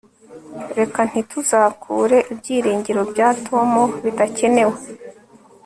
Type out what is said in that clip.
reka ntituzakure ibyiringiro bya tom bidakenewe